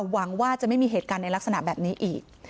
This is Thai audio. หวังว่าจะไม่มีเหตุการณ์ในลักษณะแบบนี้อีก